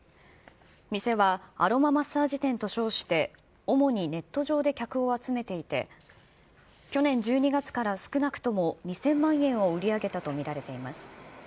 店はアロママッサージ店と称して、主にネット上で客を集めていて、去年１２月から少なくとも２０００万円を売り上げたと見られています。